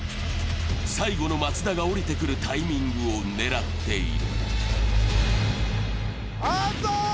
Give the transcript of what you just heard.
最後の松田が下りてくるタイミングを狙っている。